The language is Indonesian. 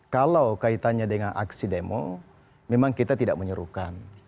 kalau kaitannya dengan aksi demo memang kita tidak menyerukan